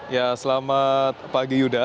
ya selamat pagi yuda